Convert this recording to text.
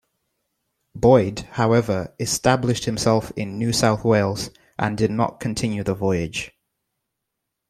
Boyd, however, established himself in New South Wales, and did not continue the voyage.